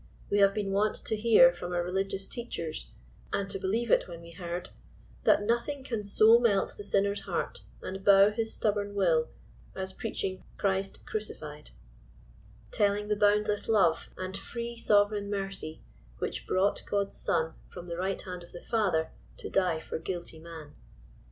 We have been wont to hear from our religious teachers — and to believe it when we heard — that nothing can so melt the sinner's heart and bow his stubborn will, as preaching Christ crucified ; telling the boundless love, and free, sovereign mercy which brought God's Son from the right hand of the Father, to die for guilty man.